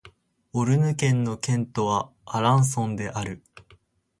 オルヌ県の県都はアランソンである